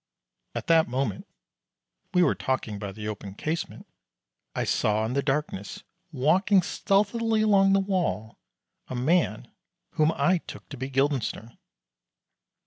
At that moment we were talking by the open casement I saw in the darkness, walking stealthily along the wall a man whom I took to be Guildenstern.